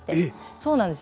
そうなんです。